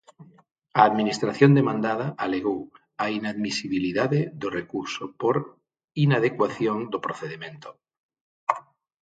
A administración demandada alegou a inadmisibilidade do recurso por "inadecuación do procedemento".